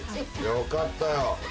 よかったよ。